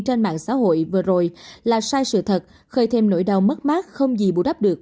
trên mạng xã hội vừa rồi là sai sự thật khơi thêm nỗi đau mất mát không gì bù đắp được